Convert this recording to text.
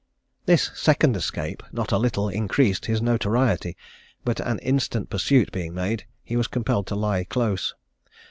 This second escape not a little increased his notoriety; but an instant pursuit being made, he was compelled to lie close.